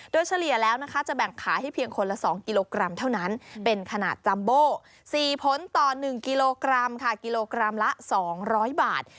โดยเฉลี่ยแล้วนะคะจะแบ่งขายให้เพียงคนละ๒กิโลกรัมเท่านั้นเป็นขนาดจัมโบ๔ผลต่อ๑กิโลกรัมค่ะกิโลกรัมละ๒๐๐บาท